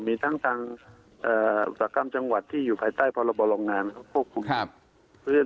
มีทั้งอุตกรรมจังหวัดที่อยู่ภายใต้ภาระบาลโรงงานเขาควบคุม